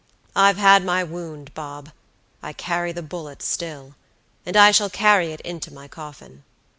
I've had my wound, Bob; I carry the bullet still, and I shall carry it into my coffin."